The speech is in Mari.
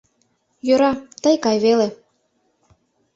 Йӧра, тый кай веле...